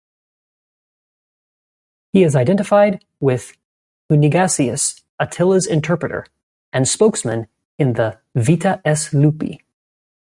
He is identified with Hunigasius, Attila's interpreter and spokesman in the "Vita s. Lupi".